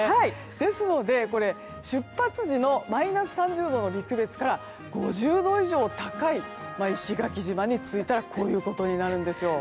ですので、出発時のマイナス３０度の陸別から５０度以上高い石垣島に着いたらこういうことになるんですよ。